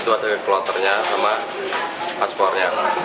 itu ada gelang haji sama paspornya